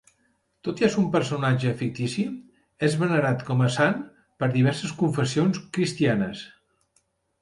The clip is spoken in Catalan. Tot i ésser un personatge fictici, és venerat com a sant per diverses confessions cristianes.